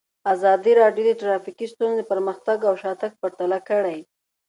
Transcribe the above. ازادي راډیو د ټرافیکي ستونزې پرمختګ او شاتګ پرتله کړی.